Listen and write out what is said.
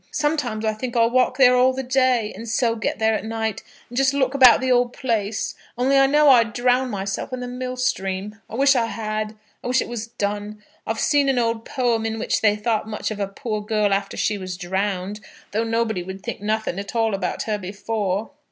Sometimes I think I'll walk there all the day, and so get there at night, and just look about the old place, only I know I'd drown myself in the mill stream. I wish I had. I wish it was done. I've seed an old poem in which they thought much of a poor girl after she was drowned, though nobody wouldn't think nothing at all about her before."